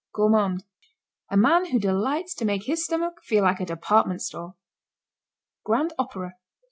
GOURMAND. A man who delights to make his stomach feel like a department store. GRAND OPERA.